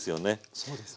そうですね。